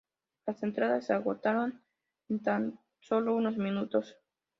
Las entradas se agotaron en tan solo unos minutos.